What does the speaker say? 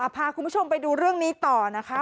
พาคุณผู้ชมไปดูเรื่องนี้ต่อนะคะ